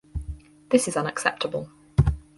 This is unacceptable.